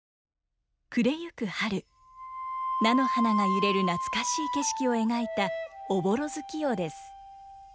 暮れゆく春菜の花が揺れる懐かしい景色を描いた「おぼろ月夜」です。